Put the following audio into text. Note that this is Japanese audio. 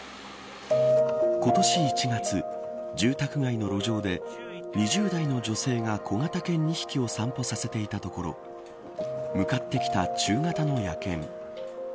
今年１月住宅街の路上で２０代の女性が小型犬２匹を散歩させていたところ向かってきた中型の野犬。